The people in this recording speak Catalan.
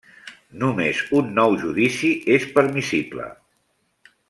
Només un nou judici és permissible.